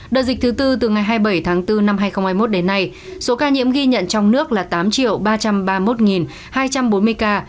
đợt dịch thứ tư từ ngày hai mươi bảy tháng bốn năm hai nghìn hai mươi một đến nay số ca nhiễm ghi nhận trong nước là tám ba trăm ba mươi một hai trăm bốn mươi ca